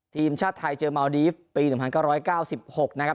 ทีมชาติไทยเจอเมาดีฟปี๑๙๙๖นะครับ